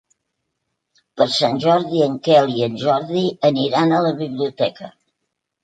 Per Sant Jordi en Quel i en Jordi aniran a la biblioteca.